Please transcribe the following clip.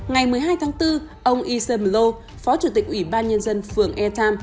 ngày một mươi hai tháng bốn ông isam loh phó chủ tịch ủy ban nhân dân phường e tam